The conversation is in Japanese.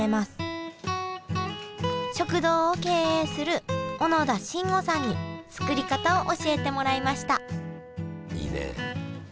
食堂を経営する小野田真悟さんに作り方を教えてもらいましたいいね。